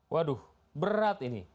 waduh berat ini